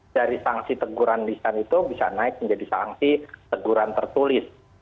dari sanksi teguran lisan itu bisa naik menjadi sanksi teguran tertulis